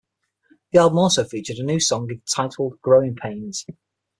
The album also featured a new song titled "Growing Pains".